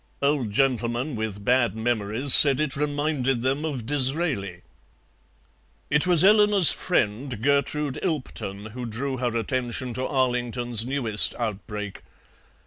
Old gentlemen with bad memories said it reminded them of Disraeli. It was Eleanor's friend, Gertrude Ilpton, who drew her attention to Arlington's newest outbreak.